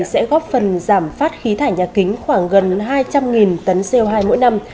sẽ góp phần giảm phát khí thải nhà kính khoảng gần hai trăm linh tấn co hai mỗi năm